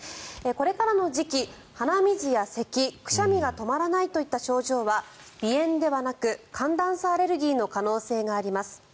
これからの時期、鼻水やせきくしゃみが止まらないといった症状は鼻炎ではなく寒暖差アレルギーの可能性があります。